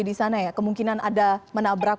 di sana ya kemungkinan ada menabrak